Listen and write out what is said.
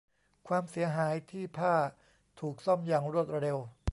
ความเสียหายที่ผ้าถูกซ่อมอย่างรวดเร็ว